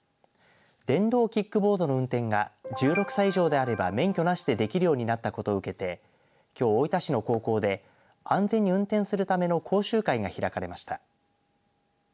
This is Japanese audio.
電動キックボードの運転が１６歳以上であれば免許なしでできるようになったことを受けて、きょう大分市の高校で安全に運転するための講習会が開かれました。